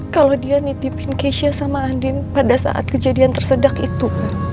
kalau dia nitipin keisha sama andin pada saat kejadian tersedak itu